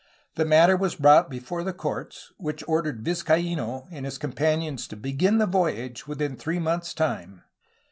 The matter was brought before the courts, which ordered Vizcaino and his com panions to begin the voyage within three months' time.